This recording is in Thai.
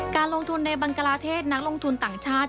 การลงทุนในบังกลาเทศนักลงทุนต่างชาติ